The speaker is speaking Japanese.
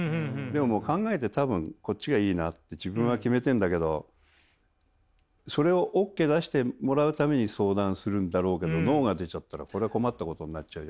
でももう考えて多分こっちがいいなって自分は決めてんだけどそれをオッケー出してもらうために相談するんだろうけどノーが出ちゃったらこれは困ったことになっちゃう。